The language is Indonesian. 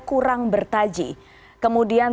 kurang bertaji kemudian